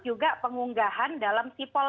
juga pengunggahan dalam sipol